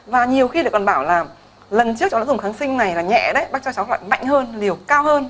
và nhiều khi lại còn bảo là lần trước cháu đã dùng kháng sinh này là nhẹ đấy bác cho cháu loại mạnh hơn liều cao hơn